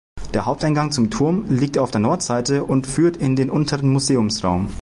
Der Haupteingang zum Turm liegt auf der Nordostseite und führt in den unteren Museumsraum.